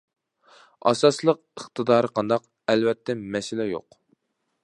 -ئاساسلىق ئىقتىدارى قانداق؟ -ئەلۋەتتە مەسىلە يوق.